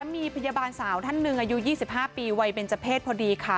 มีพยาบาลสาวท่านหนึ่งอายุ๒๕ปีวัยเบนเจอร์เพศพอดีค่ะ